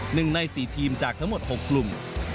หนึ่งในสี่ทีมจากทั้งหมด๖กลุ่ม